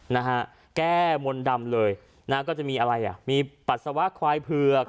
นะฮะแก้มนต์ดำเลยนะก็จะมีอะไรอ่ะมีปัสสาวะควายเผือก